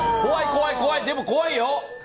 怖い怖い、でも怖いよ。